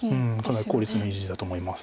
かなり効率のいい地だと思います。